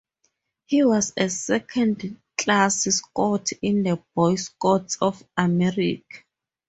He was a Second Class Scout in the Boy Scouts of America.